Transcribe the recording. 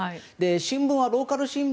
新聞はローカル新聞